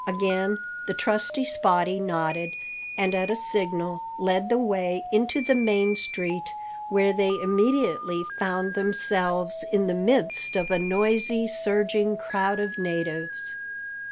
Again the trusty Spottie nodded, and at a signal led the way into the main street, where they immediately found themselves in the midst of a noisy, surging crowd of natives.